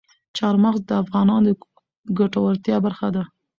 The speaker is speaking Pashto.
چار مغز د افغانانو د ګټورتیا برخه ده.